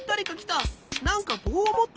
なんかぼうをもってるな。